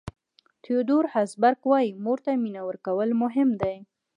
تیودور هسبرګ وایي مور ته مینه ورکول مهم دي.